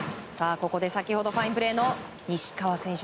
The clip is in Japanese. ここで先ほどファインプレーの西川選手。